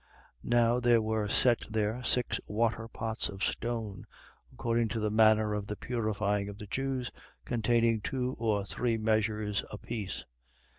2:6. Now there were set there six waterpots of stone, according to the manner of the purifying of the Jews, containing two or three measures apiece.